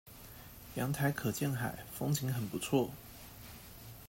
陽台可見海，風景很不錯